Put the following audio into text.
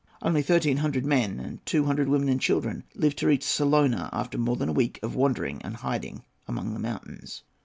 Only thirteen hundred men and two hundred women and children lived to reach Salona after more than a week of wandering and hiding among the mountains.